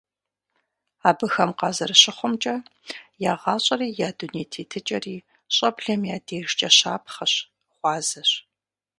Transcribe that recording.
Абыхэм къазэрыщыхъумкӀэ, я гъащӀэри я дуней тетыкӀэри щӀэблэм я дежкӀэ щапхъэщ, гъуазэщ.